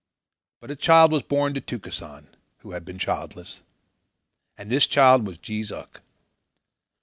But a child was born to Tukesan, who had been childless. And this child was Jees Uck.